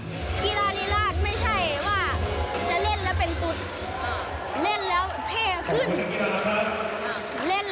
กีฬาลีลาดไม่ใช่ว่าจะเล่นแล้วเป็นตุ๊ด